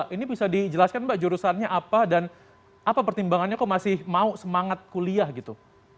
ini bisa dijelaskan mbak jurusannya apa dan apa pertimbangannya kok masih mau semangat kuliah gitu